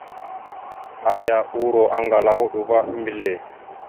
Aya uuro aŋgala a hoɗ va a mbelle.